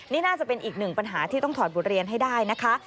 นี่น่าจะเป็นอีกหนึ่งปัญหาที่ต้องถอดบทเรียนให้ได้นะคะ